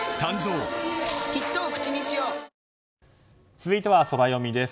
続いてはソラよみです。